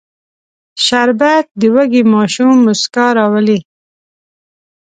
شربت د وږي ماشوم موسکا راولي